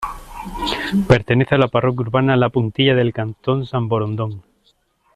Pertenece a la parroquia urbana La Puntilla del cantón Samborondón.